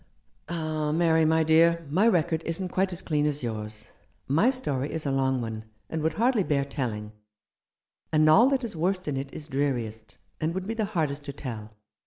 "Ah, Mary, my dear, my record isn't quite as clean as yours. My story is a long one, and would hardly bear telling ; and all that is worst in it is dreariest, and would be the hardest to tell.